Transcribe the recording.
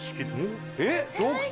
えっ？